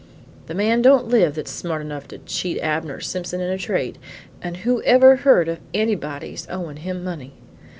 The man don't live that's smart enough to cheat Abner Simpson in a trade, and who ever heard of anybody's owin' him money?